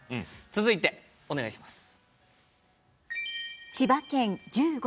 続いてお願いします。